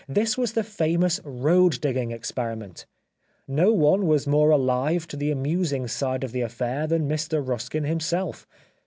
This was the famous road digging experiment. No one was more alive to the amusing side of the affair than Mr Ruskin himself.